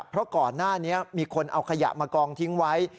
เพราะก่อนหน้านี้มีคนเอาขยะมากองทิ้งไว้